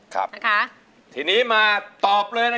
กับเพลงที่๑ของเรา